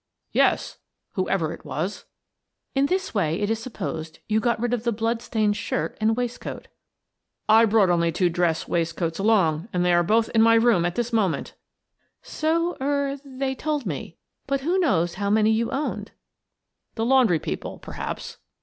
"Yes — whoever it was." " In this way, it is supposed, you got rid of the blood stained shirt and waistcoat" " I brought only two dress waistcoats along and they are both in my room at this moment." "So — er — they told me. But who knows how many you owned? "" The laundry people, perhaps."